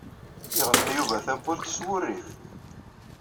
Yeɣleq Yuba tawwurt s wurrif.